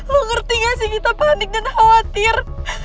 lo ngerti nggak sih kita panik dan khawatir